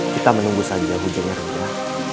kita menunggu saja hujannya rendah